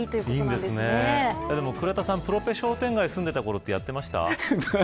でも倉田さん商店街に住んでたころはやってました。